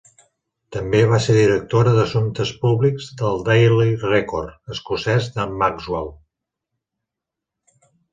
També va ser directora d'assumptes públics del "Daily Record" escocès de Maxwell.